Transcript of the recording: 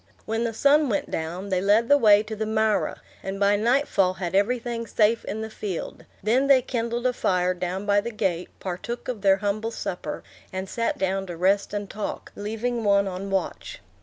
When the sun went down, they led the way to the marah, and by nightfall had everything safe in the field; then they kindled a fire down by the gate, partook of their humble supper, and sat down to rest and talk, leaving one on watch.